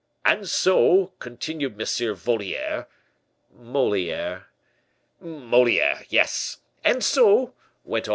"'And so,' continued M. Voliere " "Moliere." "Moliere, yes. 'And so,' went on M.